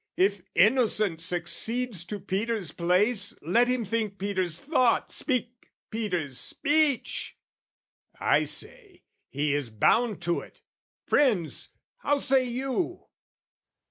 If Innocent succeeds to Peter's place, Let him think Peter's thought, speak Peter's speech! I say, he is bound to it: friends, how say you?